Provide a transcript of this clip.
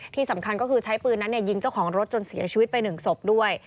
ที่สำคัญก็คือใช้ปืนนั้นยิงเจ้าของรถจนเสียชีวิตไป๑ศพด้วย